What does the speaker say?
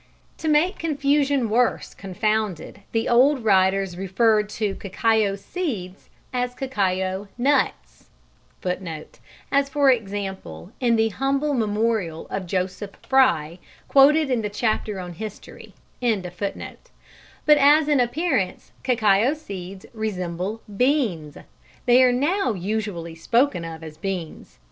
To make confusion worse confounded the old writers referred to cacao seeds as cocoa nuts (as for example, in The Humble Memorial of Joseph Fry, quoted in the chapter on history), but, as in appearance cacao seeds resemble beans, they are now usually spoken of as beans.